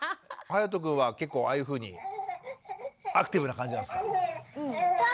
はやとくんは結構ああいうふうにアクティブな感じなんですか？